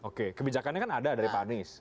oke kebijakannya kan ada dari pak anies